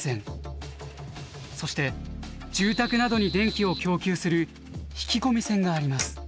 そして住宅などに電気を供給する引き込み線があります。